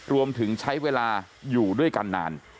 รวมถึงใช้เวลาอยู่ด้วยกันนาน